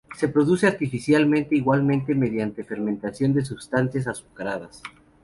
Se produce artificialmente igualmente mediante fermentación de substancias azucaradas.